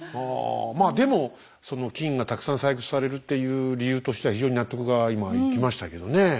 まあでもその金がたくさん採掘されるっていう理由としては非常に納得が今いきましたけどね。